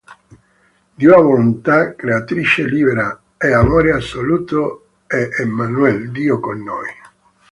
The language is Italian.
Dio è volontà creatrice libera, è Amore assoluto, è "Emmanuel": Dio con noi.